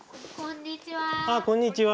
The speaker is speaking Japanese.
こんにちは。